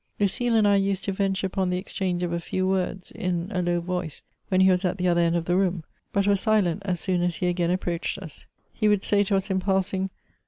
Lucile and I used to venture upon the exchange of a few words, in a low voice, when he was at the other end of the room ; but were silent as soon as he again approached us. He would say to us in passing